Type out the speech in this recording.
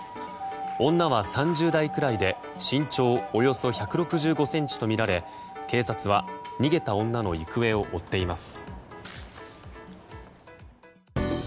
女は３０代くらいで身長およそ１６５ｃｍとみられ警察は逃げた女の行方を追っています。